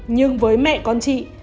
nhưng với mẹ con chị